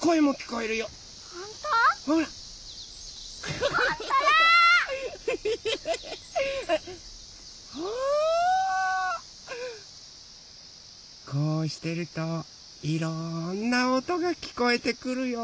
こうしてるといろんなおとがきこえてくるよ。